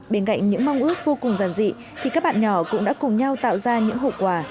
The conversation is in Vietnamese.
bên cạnh những mong ước vô cùng giàn dị thì các bạn nhỏ cũng đã cùng nhau tạo ra những hộ quà